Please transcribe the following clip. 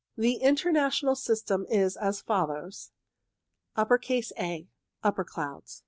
The International system is as follows :— A. Upper clouds.